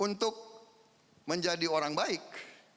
untuk menjadi orang baik